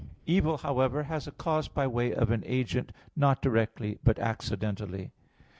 Evil, however, has a cause by way of an agent, not directly, but accidentally.